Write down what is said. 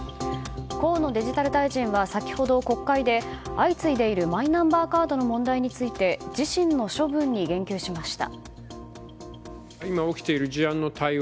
河野デジタル大臣は先ほど国会で相次いでいるマイナンバーカードの問題について自身の処分に言及しました。